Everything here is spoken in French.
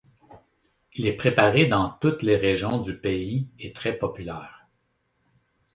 Il est préparé dans toutes les régions du pays et très populaire.